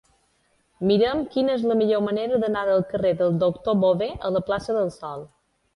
Mira'm quina és la millor manera d'anar del carrer del Doctor Bové a la plaça del Sol.